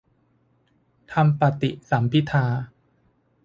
ธรรมปฏิสัมภิทา